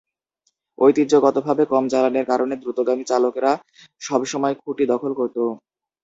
ঐতিহ্যগতভাবে, কম জ্বালানির কারণে দ্রুতগামী চালকরা সবসময় খুঁটি দখল করত।